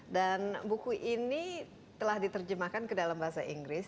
buku ini telah diterjemahkan ke dalam bahasa inggris